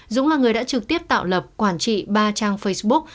dũng là người đã trực tiếp tạo lập quản trị ba trang facebook